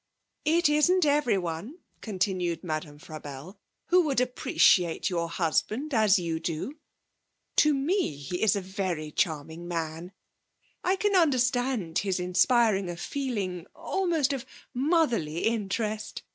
'It isn't everyone,' continued Madame Frabelle, 'who would appreciate your husband as you do. To me he is a very charming man. I can understand his inspiring a feeling almost of motherly interest.